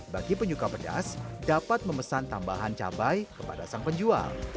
bagi penyuka pedas dapat memesan tambahan cabai kepada sang penjual